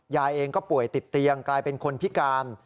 ยายเองก็ป่วยติดเตียงกลายเป็นคนพิการ